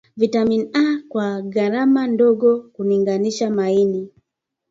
Vitamini A kwa gharama ndogo kulinganisha maini